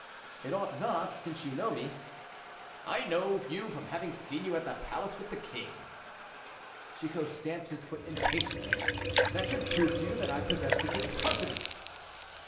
"It ought not, since you know me." "I know you from having seen you at the palace with the king." Chicot stamped his foot impatiently. "That should prove to you that I possess the king's confidence."